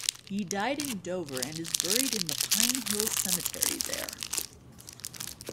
He died in Dover and is buried in the Pine Hill Cemetery there.